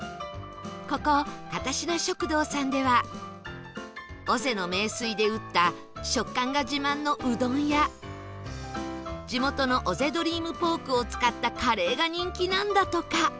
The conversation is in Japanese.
ここかたしな食堂さんでは尾瀬の名水で打った食感が自慢のうどんや地元の尾瀬ドリームポークを使ったカレーが人気なんだとか